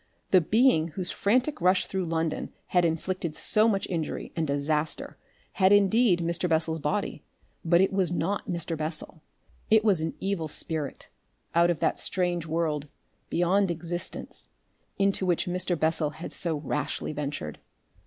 The being whose frantic rush through London had inflicted so much injury and disaster had indeed Mr. Bessel's body, but it was not Mr. Bessel. It was an evil spirit out of that strange world beyond existence, into which Mr. Bessel had so rashly ventured.